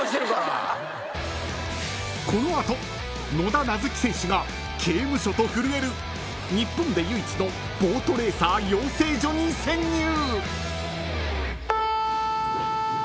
［この後野田なづき選手が刑務所と震える日本で唯一のボートレーサー養成所に潜入！］